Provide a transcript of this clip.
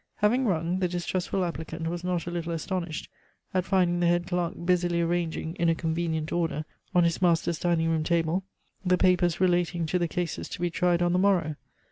Having rung, the distrustful applicant was not a little astonished at finding the head clerk busily arranging in a convenient order on his master's dining room table the papers relating to the cases to be tried on the morrow.